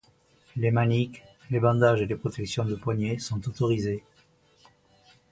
Les maniques, les bandages et les protections de poignets, sont autorisés.